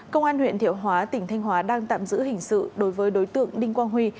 công an huyện thiệu hóa tỉnh thanh hóa đang tạm giữ hình sự đối với đối tượng đinh quang huy